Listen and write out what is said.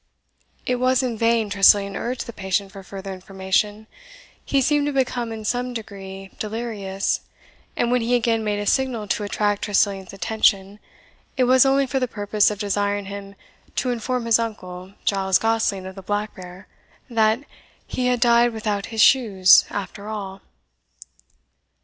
It was in vain Tressilian urged the patient for further information; he seemed to become in some degree delirious, and when he again made a signal to attract Tressilian's attention, it was only for the purpose of desiring him to inform his uncle, Giles Gosling of the Black Bear, that "he had died without his shoes after all."